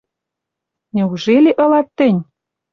— Неужели ылат тӹнь?